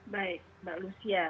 baik mbak lucia